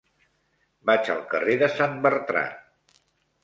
Vaig al carrer de Sant Bertran.